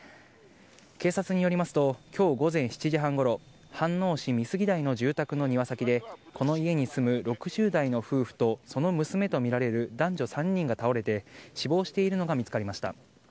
警察によりますと、きょう午前７時半ごろ、飯能市美杉台の住宅の庭先で、この家に住む６０代の夫婦とその娘と見られる男女３人が倒れて死亡しているのが見つかりました。